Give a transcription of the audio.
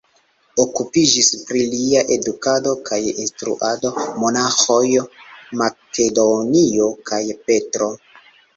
Okupiĝis pri lia edukado kaj instruado monaĥoj Makedonio kaj Petro.